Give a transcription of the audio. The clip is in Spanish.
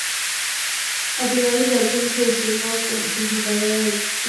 A finales de abril se estrenó como presentadora del concurso "¿Tienes un minuto?